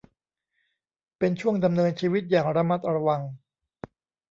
เป็นช่วงดำเนินชีวิตอย่างระมัดระวัง